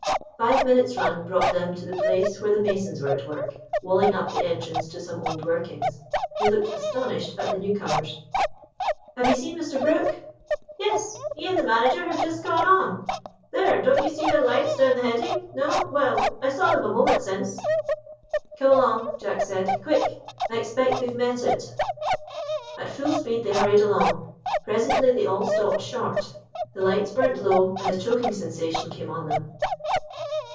Five minutes' run brought them to the place where the masons were at work walling up the entrance to some old workings. They looked astonished at the newcomers. "Have you seen Mr. Brook?" "Yes, he and the manager have just gone on. There, don't you see their lights down the heading? No? Well, I saw them a moment since." "Come along," Jack said. "Quick! I expect they've met it." At full speed they hurried along. Presently they all stopped short; the lights burnt low, and a choking sensation came on them.